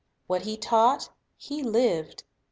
What He taught, He lived.